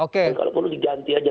kalau perlu diganti aja